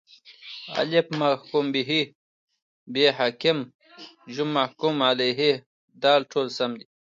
الف: محکوم به ب: حاکم ج: محکوم علیه د: ټوله سم دي